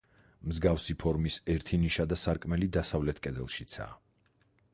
მსგავსი ფორმის ერთი ნიშა და სარკმელი დასავლეთ კედელშიცაა.